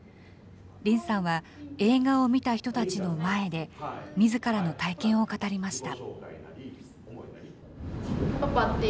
りんさんは、映画を見た人たちの前で、みずからの体験を語りました。